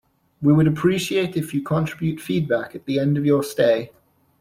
We would appreciate if you contribute feedback at the end of your stay.